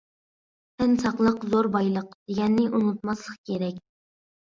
«تەن ساقلىق زور بايلىق» دېگەننى ئۇنتۇماسلىق كېرەك.